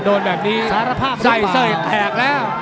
โดนแบบนี้ใส่เส้นแทงแล้ว